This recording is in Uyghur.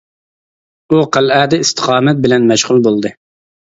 ئۇ قەلئەدە ئىستىقامەت بىلەن مەشغۇل بولدى.